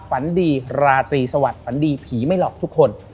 ฝันดีราตรีสวัสดิฝันดีผีไม่หลอกทุกคน